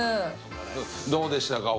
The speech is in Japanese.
どうでしたか？